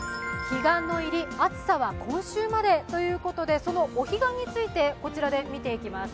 暑さは今週までということでそのお彼岸について、こちらで見ていきます。